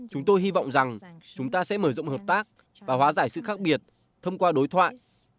chúng tôi hy vọng rằng chúng ta sẽ mở rộng hợp tác và hóa giải sự khác biệt thông qua đối thoại